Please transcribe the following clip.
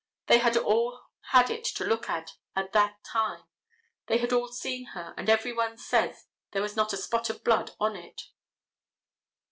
They had all had it to look at at that time. They had all seen her and every one says there was not a spot of blood on it.